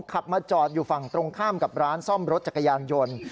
ขับมาจอดอยู่ฝั่งตรงข้ามกับร้านซ่อมรถจักรยานยนต์